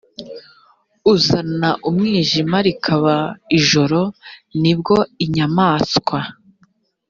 uzana umwijima rikaba ijoro ni bwo inyamaswa